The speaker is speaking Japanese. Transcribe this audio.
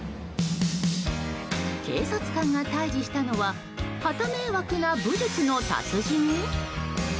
警察官が対峙したのははた迷惑な武術の達人？